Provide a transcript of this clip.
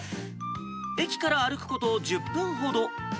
駅から歩くこと１０分ほど。